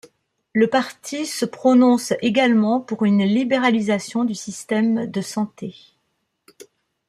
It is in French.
Le parti se prononce également pour une libéralisation du système de santé.